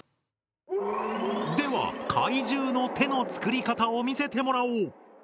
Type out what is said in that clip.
では怪獣の手の作り方を見せてもらおう。